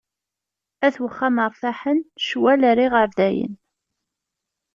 At uxxam rtaḥen, ccwal ar iɣerdayen.